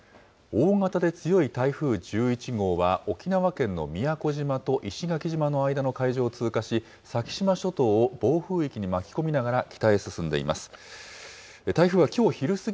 大型で強い台風１１号は、沖縄県の宮古島と石垣島の間の海上を通過し、先島諸島を暴風域に巻き込みながら北へ進んでいます。